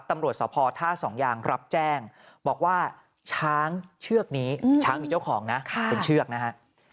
ตำรวจสภท่าสองยางรับแจ้งบอกว่าช้างเชือกนี้ช้างมีเจ้าของนะเป็นเชือกนะฮะ